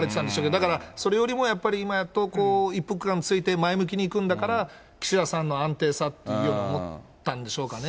だからそれよりもやっぱり今やっとこう、一服感ついて、前向きにいくんだから、岸田さんの安定さっていうように思ったんでしょうかね。